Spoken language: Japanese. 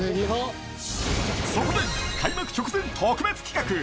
そこで開幕直前特別企画！